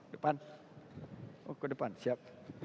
depan oh ke depan siap